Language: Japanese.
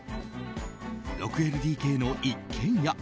６ＬＤＫの一軒家。